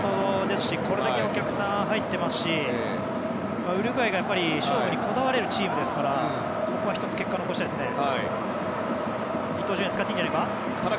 これだけのお客さんが入ってますしウルグアイが勝負にこだわれるチームですからここは結果を残したいですね。